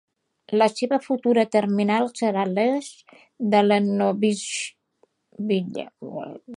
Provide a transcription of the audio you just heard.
La seva futura terminal serà a l'est de Lennoxville.